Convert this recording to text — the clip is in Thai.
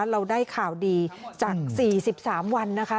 เราได้ข่าวดีจาก๔๓วันนะคะ